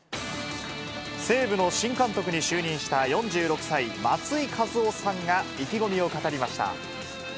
西武の新監督に就任した４６歳、松井稼頭央さんが意気込みを語りました。